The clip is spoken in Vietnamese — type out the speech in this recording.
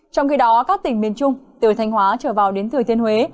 trong khi đó các tỉnh miền trung từ thanh hóa trở vào đến thừa thiên huế